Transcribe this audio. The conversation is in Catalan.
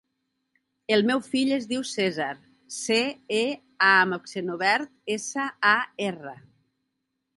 El meu fill es diu Cèsar: ce, e amb accent obert, essa, a, erra.